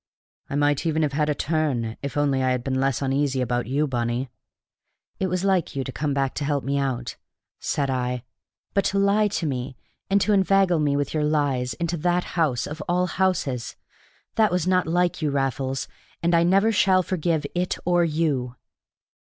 I might even have had a turn, if only I had been less uneasy about you, Bunny." "It was like you to come back to help me out," said I. "But to lie to me, and to inveigle me with your lies into that house of all houses that was not like you, Raffles and I never shall forgive it or you!"